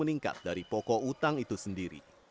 meningkat dari pokok utang itu sendiri